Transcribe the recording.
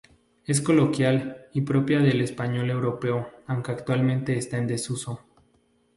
Es coloquial y propia del español europeo, aunque actualmente está en desuso.